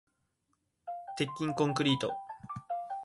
鉄筋コンクリート